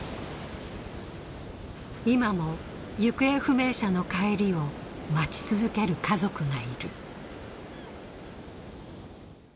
今も行方不明者の帰りを待ち続ける家族がいる。